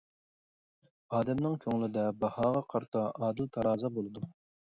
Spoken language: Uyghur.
ئادەمنىڭ كۆڭلىدە باھاغا قارىتا ئادىل تارازا بولىدۇ.